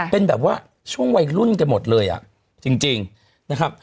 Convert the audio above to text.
เป็นแบบว่าช่วงวัยรุ่นกันหมดเลยอ่ะจริงนะครับ